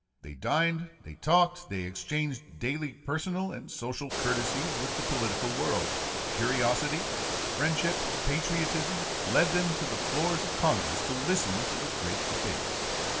They dined, they talked, they exchanged daily personal and social courtesies with the political world. Curiosity, friendship, patriotism, led them to the floors of Congress to listen to the great debates.